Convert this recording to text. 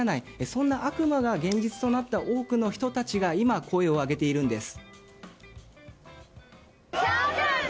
そんな悪夢が現実となった多くの人たちが今、声を上げているんです。